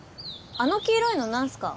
あの黄色いのなんすか？